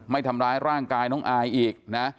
ทำร้ายร่างกายน้องอายอีกนะ